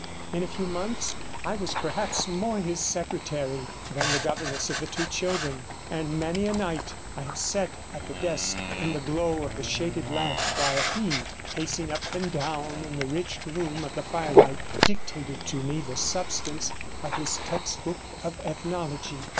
In a few months I was perhaps more his secretary than the governess of the two children, and many a night I have sat at the desk in the glow of the shaded lamp while he, pacing up and down in the rich gloom of the firelight, dictated to me the substance of his Textbook of Ethnology.